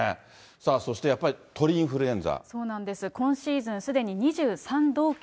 そしてやっぱり鳥インフルエンザ。